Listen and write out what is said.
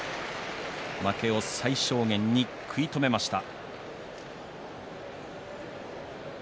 負けを最小限に食い止めました。